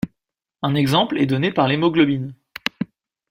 Un exemple est donné par l'hémoglobine.